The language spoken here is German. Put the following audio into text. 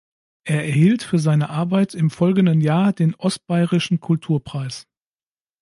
Er erhielt für seine Arbeit im folgenden Jahr den Ostbayerischen Kulturpreis.